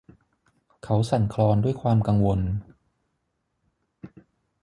เขาสั่นคลอนด้วยความกังวล